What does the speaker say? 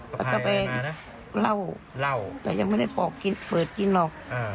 ก็จะไปเล่าแต่ยังไม่ได้เปิดกินหรอก